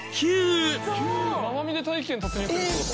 生身で大気圏に突入するって事？